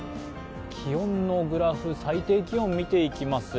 気温のグラフ、最低気温を見ていきます。